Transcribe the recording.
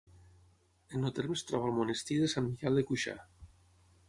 En el terme es troba el monestir de Sant Miquel de Cuixà.